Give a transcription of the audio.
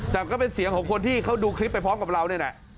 แต่ก็เป็นเสียงของคนที่เขาดูคลิปไปพร้อมกับเรานี่แหละ